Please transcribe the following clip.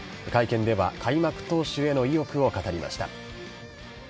会見では、開幕投手への意欲を語りました。